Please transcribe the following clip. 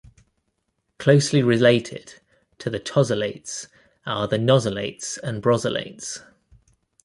Closely related to the tosylates are the nosylates and brosylates.